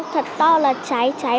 thật to là cháy cháy